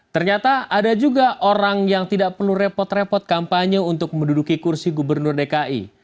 ternyata ada juga orang yang tidak perlu repot repot kampanye untuk menduduki kursi gubernur dki